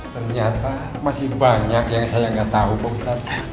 ternyata masih banyak yang saya nggak tahu pak ustadz